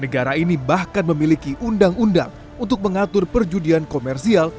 negara ini bahkan memiliki undang undang untuk mengatur perjudian komersial